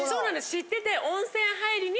知ってて。